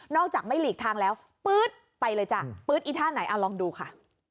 นอกจากไม่หลีกทางแล้วไปเลยจ้ะไอ้ท่านไหนอะลองดูค่ะ